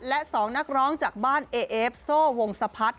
และสองนักร้องจากบ้านเอเอฟโซ่วงสภัษฐ์